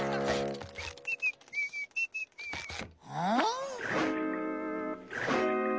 うん？